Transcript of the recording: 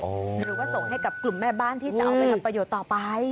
หรือว่าส่งให้กับกลุ่มแม่บ้านที่จะเอาไปทำประโยชน์ต่อไป